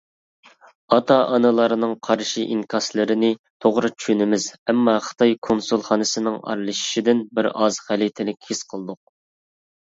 ئاتا-ئانىلارنىڭ قارشى ئىنكاسلىرىنى توغرا چۈشىنىمىز، ئەمما خىتاي كونسۇلخانىسىنىڭ ئارىلىشىشىدىن بىر ئاز غەلىتىلىك ھېس قىلدۇق.